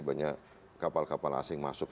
banyak kapal kapal asing masuk